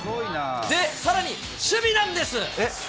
で、さらに守備なんです。